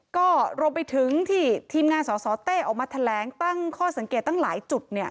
ก็รวมไปถึงที่ทีมงานสสเต้ออกมาแถลงตั้งข้อสังเกตตั้งหลายจุดเนี่ย